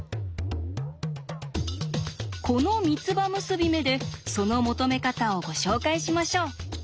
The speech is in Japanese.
この三つ葉結び目でその求め方をご紹介しましょう。